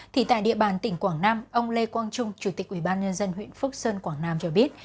tại địa bàn tỉnh quảng nam ông lê quang trung chủ tịch ubnd huyện phước sơn quảng nam cho biết